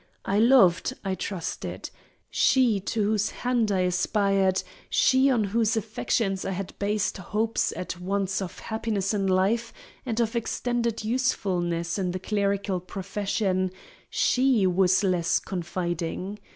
I loved, I trusted. She to whose hand I aspired, she on whose affections I had based hopes at once of happiness in life and of extended usefulness in the clerical profession, she was less confiding.